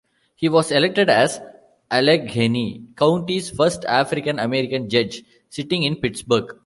He was elected as Allegheny County's first African-American judge, sitting in Pittsburgh.